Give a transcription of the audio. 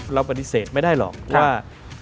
เราปฏิเสธไม่ได้หรอกว่า